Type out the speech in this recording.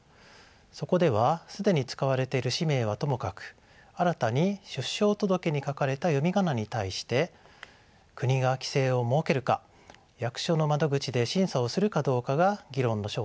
そこでは既に使われている氏名はともかく新たに出生届に書かれた読み仮名に対して国が規制を設けるか役所の窓口で審査をするかどうかが議論の焦点となりました。